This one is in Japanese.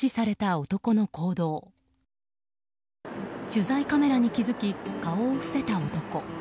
取材カメラに気づき顔を伏せた男。